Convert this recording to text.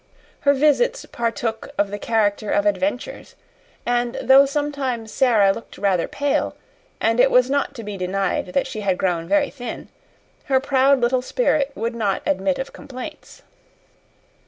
Her visits partook of the character of adventures; and though sometimes Sara looked rather pale, and it was not to be denied that she had grown very thin, her proud little spirit would not admit of complaints.